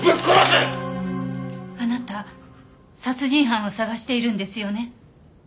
あなた殺人犯を探しているんですよね？